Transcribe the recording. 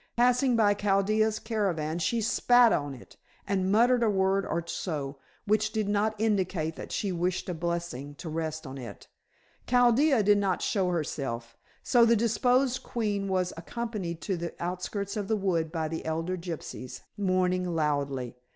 Passing by Chaldea's caravan she spat on it and muttered a word or so, which did not indicate that she wished a blessing to rest on it. Chaldea did not show herself, so the deposed queen was accompanied to the outskirts of the wood by the elder gypsies, mourning loudly.